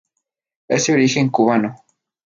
Es de origen cubano.